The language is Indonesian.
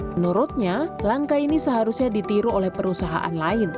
menurutnya langkah ini seharusnya ditiru oleh perusahaan lain